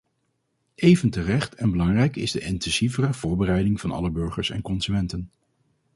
Even terecht en belangrijk is de intensievere voorbereiding van alle burgers en consumenten.